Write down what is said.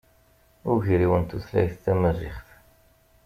Ugriw n tutlayt tamaziɣt.